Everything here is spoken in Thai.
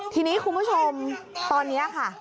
ทีนี้คุณผู้ชมตอนนี้ค่ะ